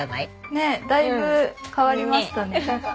ねえだいぶ変わりましたね。